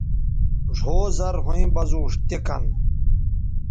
ڙھؤ زرھویں بزونݜ تے کن